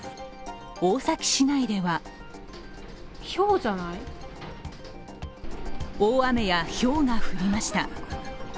大崎市内では大雨やひょうが降りました。